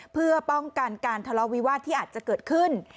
เพื่อป้องกันการทะเลาวิวาสที่อาจจะเกิดขึ้น